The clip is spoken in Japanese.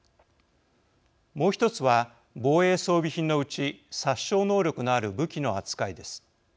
もう１つは防衛装備品のうち殺傷能力のある武器の扱いです。